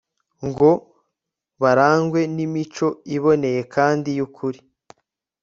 ngo barangwe nimico iboneye kandi yukuri